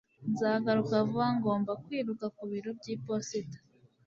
Nzagaruka vuba Ngomba kwiruka ku biro by'iposita